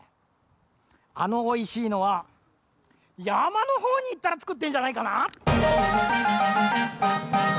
あのおいしいのはやまのほうにいったらつくってんじゃないかな。